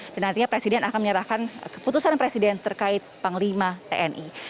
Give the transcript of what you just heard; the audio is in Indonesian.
dan nantinya presiden akan menyerahkan keputusan presiden terkait panglima tni